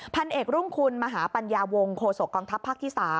พันเอกรุ่งคุณมหาปัญญาวงโคศกองทัพภาคที่๓